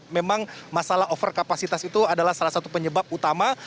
memang masalah over kapasitas itu adalah salah satu penyebab utama